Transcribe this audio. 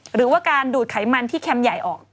หรือว่าการดูดไขมันที่แคมป์ใหญ่ออก